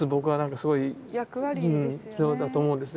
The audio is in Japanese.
そうだと思うんですね。